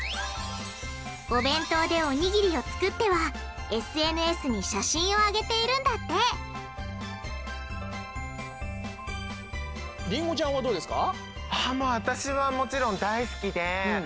お弁当でおにぎりを作ってはＳＮＳに写真を上げているんだってりんごちゃんはどうですか？